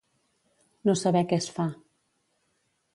No saber què es fa.